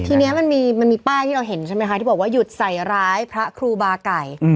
ทีนี้มันมีป้ายที่เราเห็นใช่ไหมคะที่บอกว่าหยุดใส่ร้ายพระครูบาไก่